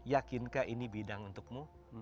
yakinkah ini bidang untukmu